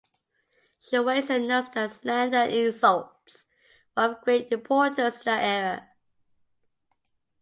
Schweizer notes that slander and insults were of great importance in that era.